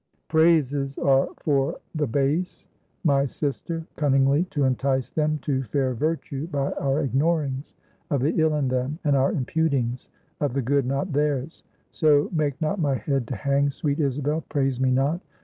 "Praises are for the base, my sister, cunningly to entice them to fair Virtue by our ignorings of the ill in them, and our imputings of the good not theirs. So make not my head to hang, sweet Isabel. Praise me not.